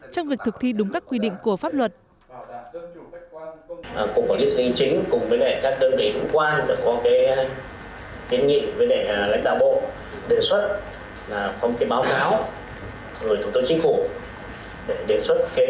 trong việc thực thi đúng các quy định của pháp luật